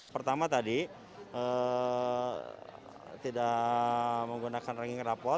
pertama tadi tidak menggunakan ranking rapot